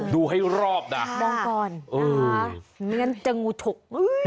ดูให้รอบนะมองก่อนไม่งั้นเจองูฉก